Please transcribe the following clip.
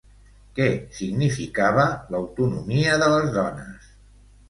Què significava l'autonomia de les dones?